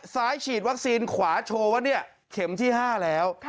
ฉีดวัคซีนขวาโชว์ว่าเนี่ยเข็มที่๕แล้ว